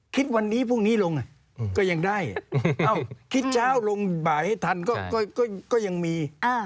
คิดวันนี้พรุ่งนี้ลงก็ยังได้คิดเช้าลงบ่ายให้ทันก็ยังมี